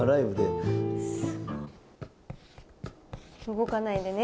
「動かないでね」